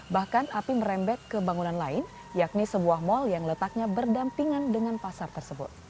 bahkan api merembet ke bangunan lain yakni sebuah mal yang letaknya berdampingan dengan pasar tersebut